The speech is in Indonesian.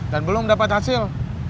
dan belum dapat hasil